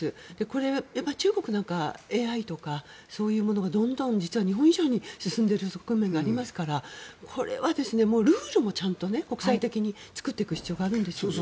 中国なんかＡＩとかそういうものがどんどん日本以上に進んでいる側面がありますからこれはルールもちゃんと作っていく必要があるんですよね。